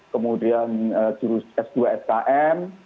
kemudian jurus s dua skm